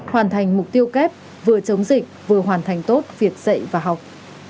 hoàn thành mục tiêu kép vừa chống dịch vừa hoàn thành tốt việc dạy và học